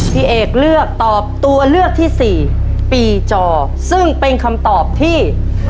พี่เอกเลือกตอบตัวเลือกที่สี่ปีจอซึ่งเป็นคำตอบที่